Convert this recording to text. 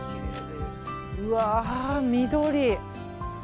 うわー、緑！